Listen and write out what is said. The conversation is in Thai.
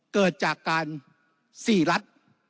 เกิดจากการ๔รัฐ